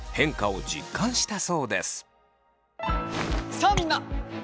さあみんな！